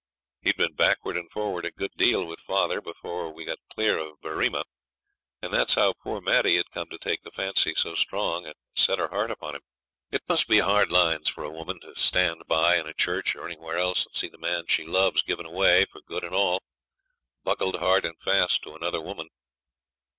He had been backward and forward a good deal with father before we got clear of Berrima, and that's how poor Maddie had come to take the fancy so strong and set her heart upon him. It must be hard lines for a woman to stand by, in a church or anywhere else, and see the man she loves given away, for good and all, buckled hard and fast to another woman.